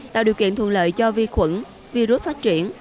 tạo điều kiện thuận lợi cho vi khuẩn virus phát triển